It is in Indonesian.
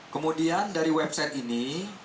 kemudian dari website ini